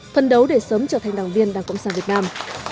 phân đấu để sớm trở thành đảng viên đảng cộng sản việt nam